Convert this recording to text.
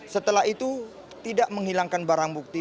setelah itu tidak menghilangkan barang bukti